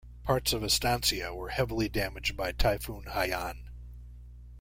Parts of Estancia were heavily damaged by Typhoon Haiyan.